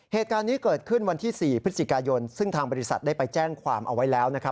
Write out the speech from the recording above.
เหตุการณ์นี้เกิดขึ้นวันที่๔พฤศจิกายนซึ่งทางบริษัทได้ไปแจ้งความเอาไว้แล้วนะครับ